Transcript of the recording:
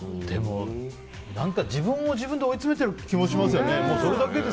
でも何か自分で自分を追いつめてる気もしますよね。